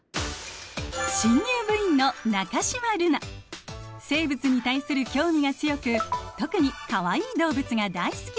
新入部員の生物に対する興味が強く特にかわいい動物が大好き。